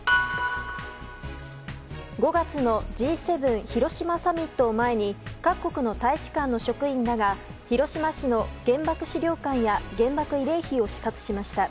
５月のＧ７広島サミットを前に各国の大使館の職員らが広島市の原爆資料館や原爆慰霊碑を視察しました。